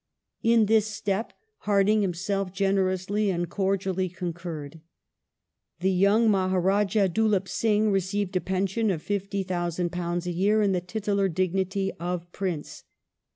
In this step Hardinge himself generously and cordially concuixed. The young Mahd, rdjdh Dhulip Singh received a pension of £50,000 a year, and the titular dignity of Prince.